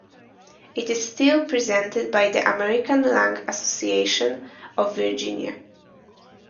It is still presented by the American Lung Association of Virginia.